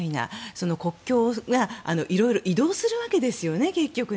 その国境が色々移動するわけですよね結局。